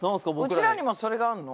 うちらにもそれがあんの？